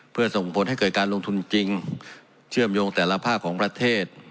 เพื่อส่งผลให้เกิดการลงทุนจริงเชื่อมโยงแต่ละภาคของประเทศ